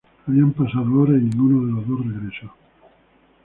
Habían pasado horas y ninguno de los dos regresó.